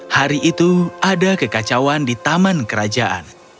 hari itu ada kekacauan di taman kerajaan